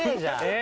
え！